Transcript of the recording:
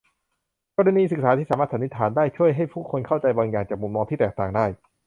กรณีศึกษาที่สามารถสันนิษฐานได้ช่วยให้ผู้คนเข้าใจบางอย่างจากมุมมองที่แตกต่างได้